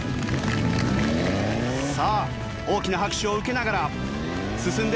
さあ大きな拍手を受けながら進んでいく清水。